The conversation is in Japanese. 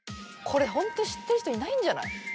これホント知ってる人いないんじゃない？